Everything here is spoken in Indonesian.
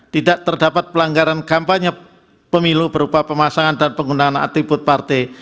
tidak terdapat pelanggaran kampanye pemilu berupa pemasangan dan penggunaan atribut partai